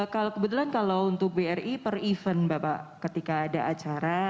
kalau kebetulan kalau untuk bri per event bapak ketika ada acara